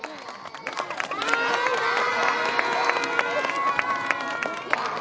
バイバーイ！